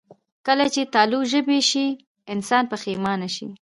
کله چې تالو ژبې شي، انسان پښېمانه کېږي